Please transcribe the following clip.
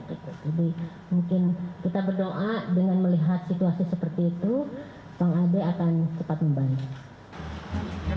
jadi mungkin kita berdoa dengan melihat situasi seperti itu bang ade akan cepat membanjir